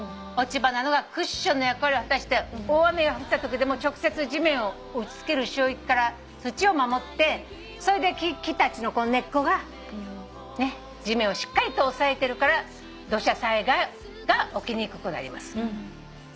落ち葉などがクッションの役割を果たして大雨が降ったときでも直接地面を打ち付ける衝撃から土を守ってそれで木たちの根っこが地面をしっかりと押さえてるから土砂災害が起きにくくなります。